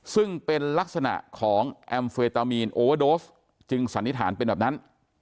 ซึ่งเป็นลักษณะของแอมเฟตามีนโอโดสจึงสันนิษฐานเป็นแบบนั้น